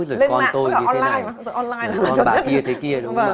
ồ rồi con tôi như thế này rồi con bà kia thế kia